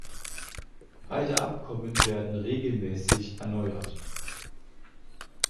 Beide Abkommen werden regelmäßig erneuert.